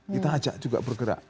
kita ajak juga bergerak